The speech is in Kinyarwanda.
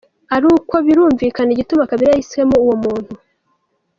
"Ari ukwo birumvikana igituma Kabila yahisemwo uwo muntu.